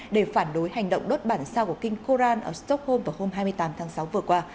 để phản đối hành động đốt bản sao của king koran ở stockholm vào hôm hai mươi tám tháng sáu vừa qua